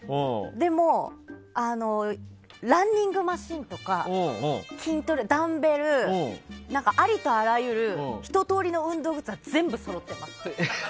でもランニングマシンとか筋トレ、ダンベルありとあらゆるひととおりの運動グッズは全部そろってます。